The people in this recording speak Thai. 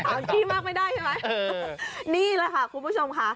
ขี้มากไม่ได้ใช่ไหมนี่แหละค่ะคุณผู้ชมค่ะ